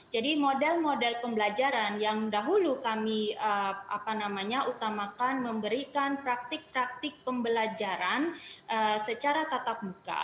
model model pembelajaran yang dahulu kami utamakan memberikan praktik praktik pembelajaran secara tatap muka